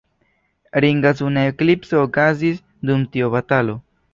Ringa suna eklipso okazis dum tiu batalo.